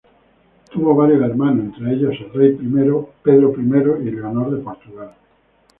Tuvo varios hermanos, entre ellos el rey Pedro I y Leonor de Portugal.